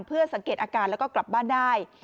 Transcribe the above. เพื่อสังเกตอาการแล้วก็กลับบ้านได้